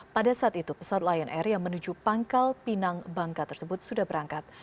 pada saat itu pesawat lion air yang menuju pangkal pinang bangka tersebut sudah berangkat